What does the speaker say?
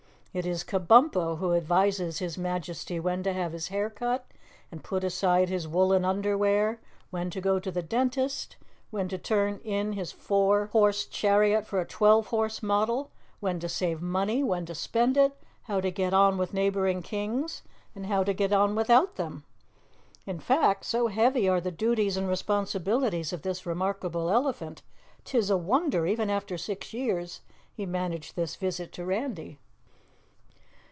It is Kabumpo who advises His Majesty when to have his hair cut and put aside his woolen underwear, when to go to the dentist, when to turn in his old four horse chariot for a twelve horse model, when to save money when to spend it, how to get on with neighboring Kings and how to get on without them. In fact, so heavy are the duties and responsibilities of this remarkable elephant, 'tis a wonder, even after six years, he managed this visit to Randy.